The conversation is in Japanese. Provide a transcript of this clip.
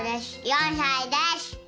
４さいです。